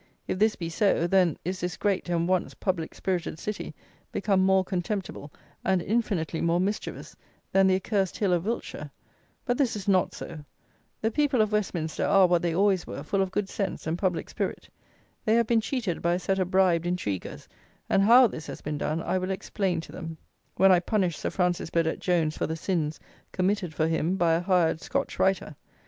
If this be so, then is this great, and once public spirited city, become more contemptible, and infinitely more mischievous, than the "accursed hill" of Wiltshire: but this is not so; the people of Westminster are what they always were, full of good sense and public spirit: they have been cheated by a set of bribed intriguers; and how this has been done, I will explain to them, when I punish Sir Francis Burdett Jones for the sins, committed for him, by a hired Scotch writer.